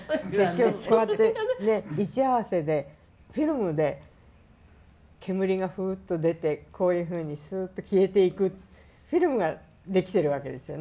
それでね位置合わせでフィルムで煙がフウッと出てこういうふうにスーッと消えていくフィルムができてるわけですよね。